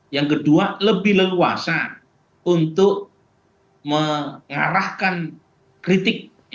yang kedua lebih leluasa untuk mengarahkan kritik